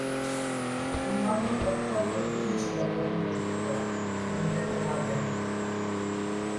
অন্যান্য হত্যার পদ্ধতি ছিল দম বন্ধ করা এবং খেতে না-দেওয়া।